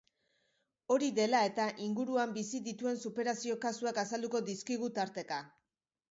Hori dela eta, inguruan bizi dituen superazio kasuak azalduko dizkigu tarteka.